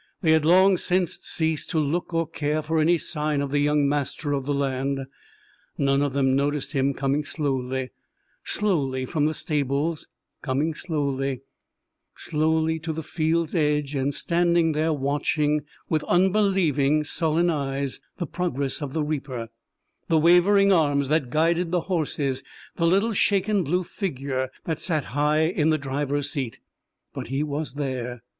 They had long since ceased to look or care for any sign of the young master of the land. None of them noticed him, coming slowly, slowly from the stables, coming slowly, slowly to the field's edge and standing there, watching with unbelieving, sullen eyes the progress of the reaper, the wavering arms that guided the horses, the little shaken blue figure that sat high in the driver's seat. But he was there.